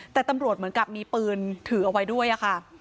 แต่ตำรวจเหมือนกับมีปืนถือเอาไว้ด้วยค่ะ